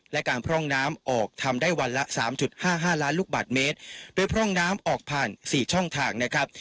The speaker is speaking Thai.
และการพร่องน้ำออกทำได้วันละสามจุดห้าห้าล้านลูกบาทเมตรโดยพร่องน้ำออกผ่านสี่ช่องทางนะครับ